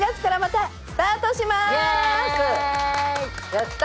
やった！